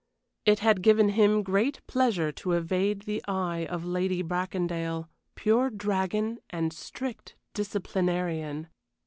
It had given him great pleasure to evade the eye of Lady Bracondale, pure dragon and strict disciplinarian.